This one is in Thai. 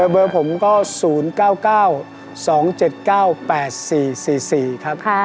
เบอร์ผมก็๐๙๙๒๗๙๘๔๔๔ครับ